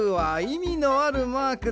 いみのあるマーク。